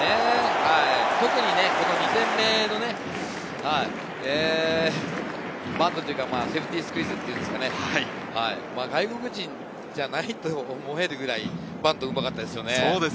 特に２点目のバントというかセーフティースクイズというんですかね、外国人じゃないと思えるくらいバントがうまかったですね。